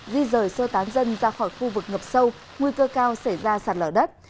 di rời sơ tán dân ra khỏi khu vực ngập sâu nguy cơ cao xảy ra sạt lở đất